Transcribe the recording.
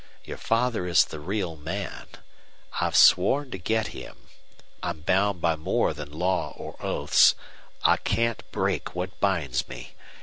Your father is the real man. I've sworn to get him. I'm bound by more than law or oaths. I can't break what binds me.